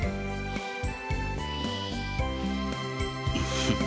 フッ。